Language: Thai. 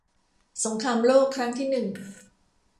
สงครามโลกครั้งที่หนึ่ง